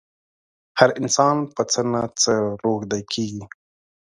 هر انسان په څه نه څه روږدی کېږي.